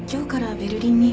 ベルリン！？